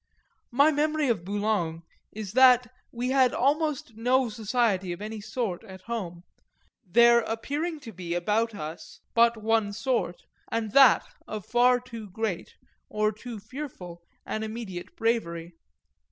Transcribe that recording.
My memory of Boulogne is that we had almost no society of any sort at home there appearing to be about us but one sort, and that of far too great, or too fearful, an immediate bravery.